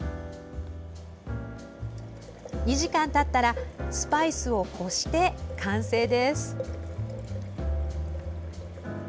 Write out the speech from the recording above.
２時間たったらスパイスをこして、完成です。